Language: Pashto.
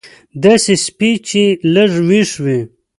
داسې سپی چې لږ وېښ وي.